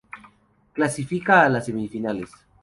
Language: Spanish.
Clasifica a las Semifinales.